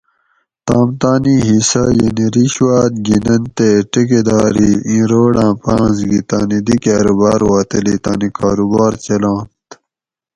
تام تانی حصہ (رشوات) گیننت تے ٹیکیدار ئ اِیں روڑاۤں پاںس گی تانی دی کاۤروباۤر وا تلی تانی کاروبار چلانت